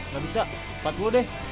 gak bisa empat puluh deh